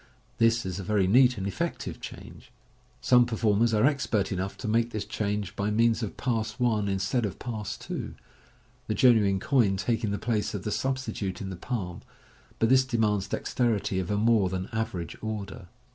This is a very neat and effective change. Some performers are expert enough to make this change by means of Pass 1 instead of Pass 2, the genuine coin taking the place of the substitute in the palm } but this demands dexterity of a more than average order.